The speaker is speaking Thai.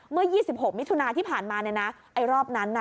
เมื่อ๒๖มิถุนาที่ผ่านมาเนี่ยนะไอ้รอบนั้นน่ะ